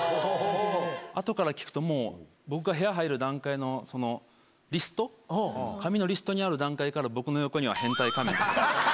後から聞くともう僕が部屋入る段階のそのリスト紙のリストにある段階から僕の横には「変態仮面」って。